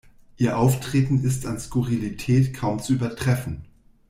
Ihr Auftreten ist an Skurrilität kaum zu übertreffen.